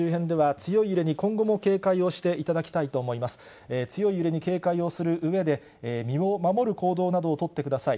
強い揺れに警戒をするうえで、身を守る行動などを取ってください。